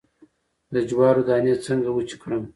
د جوارو دانی څنګه وچې کړم؟